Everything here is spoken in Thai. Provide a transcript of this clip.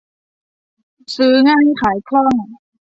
ซื้อง่ายขายคล่อง